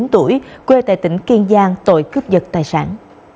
một mươi chín tuổi quê tại tỉnh kiên giang tội cướp giật tài sản